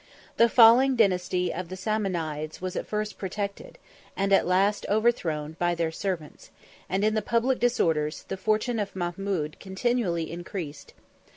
The falling dynasty of the Samanides was at first protected, and at last overthrown, by their servants; and, in the public disorders, the fortune of Mahmud continually increased.